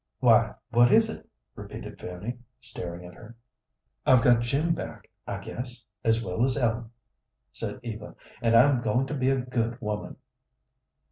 "Why, what is it?" repeated Fanny, staring at her. "I've got Jim back, I guess, as well as Ellen," said Eva, "and I'm going to be a good woman."